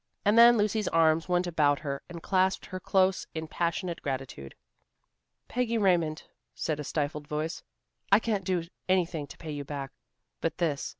And then Lucy's arms went about her, and clasped her close in passionate gratitude. "Peggy Raymond," said a stifled voice, "I can't do anything to pay you back, but this.